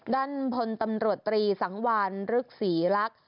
ด้านพลตำรวจตรีสังวานฤกษี่รัก